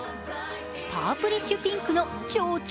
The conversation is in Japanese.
パープリッシュピンクの超超